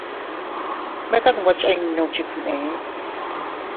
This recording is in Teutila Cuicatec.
Mekat nwe chiinnu chifgnee.